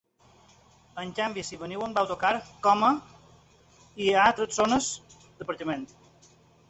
En canvi si veniu amb autocar coma hi ha tres zones d’aparcament.